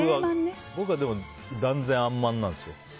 僕はでも断然あんまんなんですよ。